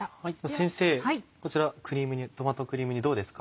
先生こちらトマトクリーム煮どうですか？